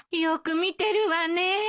よく見てるわね。